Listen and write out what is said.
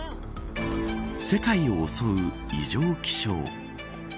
世界を襲う異常気象。